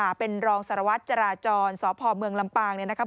อยู่ในสารวัฒน์จราจรสบลัมปาล์งนะครับ